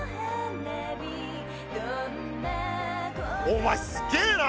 お前すげえな！